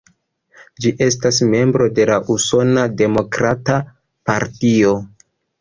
Ŝi estas membro de la Usona Demokrata Partio.